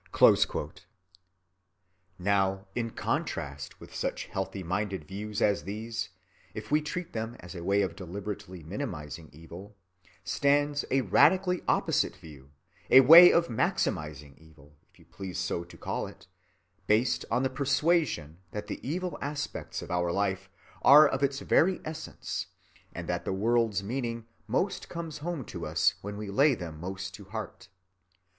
(68) Now in contrast with such healthy‐minded views as these, if we treat them as a way of deliberately minimizing evil, stands a radically opposite view, a way of maximizing evil, if you please so to call it, based on the persuasion that the evil aspects of our life are of its very essence, and that the world's meaning most comes home to us when we lay them most to heart.